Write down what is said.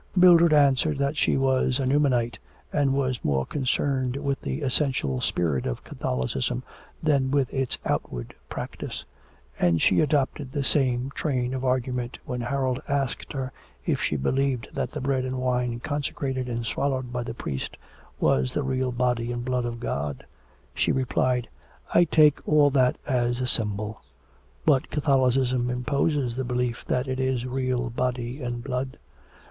Mildred answered that she was a Newmanite and was more concerned with the essential spirit of Catholicism than with its outward practice; and she adopted the same train of argument when Harold asked her if she believed that the bread and wine consecrated and swallowed by the priest was the real Body and Blood of God. She replied: 'I take all that as a symbol.' 'But Catholicism imposes the belief that it is the real Body and Blood.'